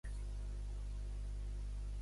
Com un cavall de pura sang en un m